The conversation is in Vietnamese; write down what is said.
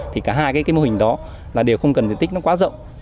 thì cả hai cái mô hình đó là đều không cần diện tích nó quá rộng